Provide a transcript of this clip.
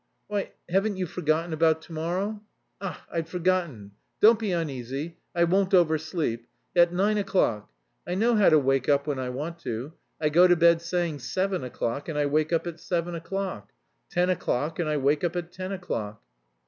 "Why, haven't you forgotten about to morrow?" "Ach, I'd forgotten. Don't be uneasy. I won't oversleep. At nine o'clock. I know how to wake up when I want to. I go to bed saying 'seven o'clock,' and I wake up at seven o'clock, 'ten o'clock,' and I wake up at ten o'clock."